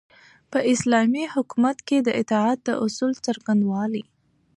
په اسلامي حکومت کي د اطاعت د اصل څرنګوالی